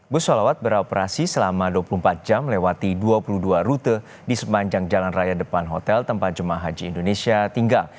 bus solawat beroperasi selama dua puluh empat jam melewati dua puluh dua rute di sepanjang jalan raya depan hotel tempat jemaah haji indonesia tinggal